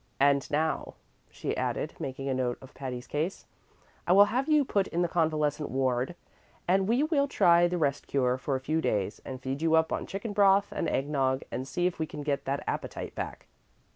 And now," she added, making a note of Patty's case, "I will have you put in the convalescent ward, and we will try the rest cure for a few days, and feed you up on chicken broth and egg nog, and see if we can get that appetite back."